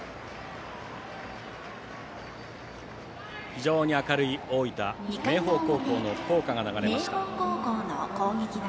非常に明るい大分・明豊高校の校歌が流れました。